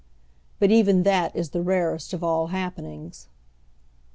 But even that is the rarest of all happenings.